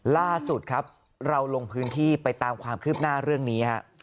ล่าสุดครับเราลงพื้นที่ไปตามความคืบหน้าเรื่องนี้ฮะ